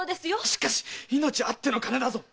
しかし命あっての金だぞ！